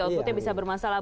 outputnya bisa bermasalah